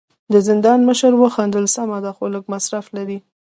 د زندان مشر وخندل: سمه ده، خو لږ مصرف لري.